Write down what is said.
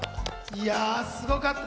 いや、すごかった。